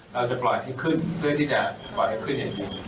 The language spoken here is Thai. เราจะปล่อยให้ขึ้นเพื่อที่จะปล่อยให้ขึ้นในมุม